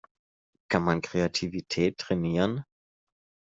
Kann man Kreativität trainieren?